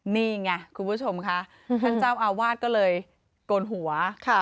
นี่ไงคุณผู้ชมค่ะท่านเจ้าอาวาสก็เลยโกนหัว